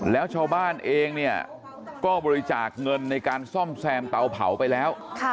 แล้วชาวบ้านเองเนี่ยก็บริจาคเงินในการซ่อมแซมเตาเผาไปแล้ว